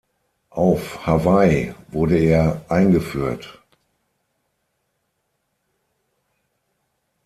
Auf Hawaii wurde er eingeführt.